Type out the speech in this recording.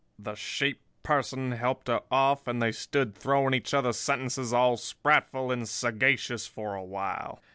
The sheep person helped her off; and they stood throwing each other sentences all sprightful and sagacious for a while.